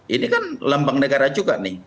ini kan lambang negara juga nih